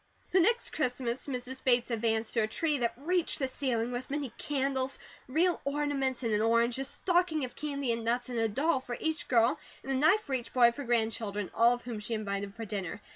The next Christmas Mrs. Bates advanced to a tree that reached the ceiling, with many candles, real ornaments, and an orange, a stocking of candy and nuts, and a doll for each girl, and a knife for each boy of her grandchildren, all of whom she invited for dinner.